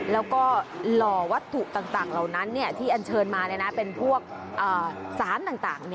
แล้วก็หล่อวัตถุต่างเหล่านั้นที่อันเชิญมาเป็นพวกสารต่าง